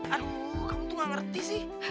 aduh kamu tuh gak ngerti sih